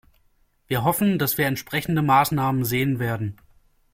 Wir hoffen, dass wir entsprechende Maßnahmen sehen werden.